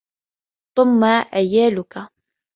ثُمَّ عِيَالُك